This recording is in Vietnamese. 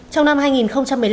trong năm hai nghìn một mươi năm